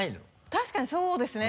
確かにそうですね